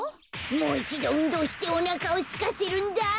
もういちどうんどうしておなかをすかせるんだ。